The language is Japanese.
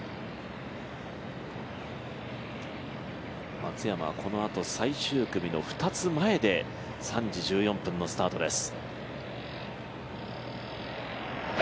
松山はこのあと最終組の２つ前で３時１４分のスタートです。